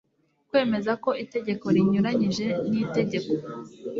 kwemeza ko itegeko rinyuranyije n itegeko